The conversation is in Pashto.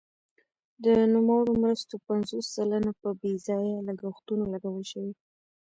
د نوموړو مرستو پنځوس سلنه په بې ځایه لګښتونو لګول شوي.